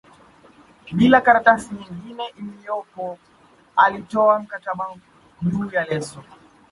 bila karatasi nyingine iliyopo alitoa mkataba juu ya leso